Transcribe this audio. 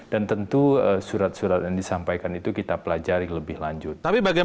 dan tentu surat surat yang disampaikan itu kita pelajari lebih lanjut